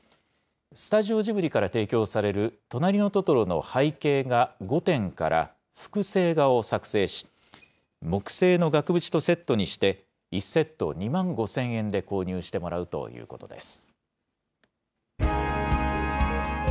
スタジオジブリから提供されるとなりのトトロの背景画５点から複製画を作成し、木製の額縁とセットにして１セット２万５０００円で購入してもらうということです。